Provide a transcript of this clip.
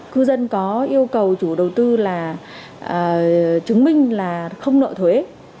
cư dân có yêu cầu chủ đầu tư là chứng minh là không nợ thuế